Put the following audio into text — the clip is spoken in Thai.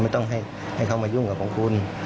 ไม่ต้องให้เขามายุ่งกับของคุณ